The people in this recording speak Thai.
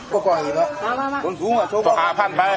ก็ก่อนอีกแล้วต่ออาพันธ์ไป